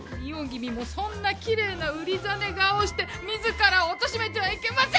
澪君もそんなきれいなうりざね顔をして自らをおとしめてはいけませぬ！